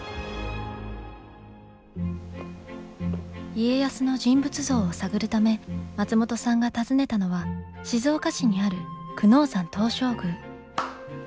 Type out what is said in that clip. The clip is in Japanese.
家康の人物像を探るため松本さんが訪ねたのは静岡市にある久能山東照宮。